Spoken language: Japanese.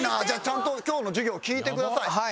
じゃあちゃんと今日の授業聞いてください。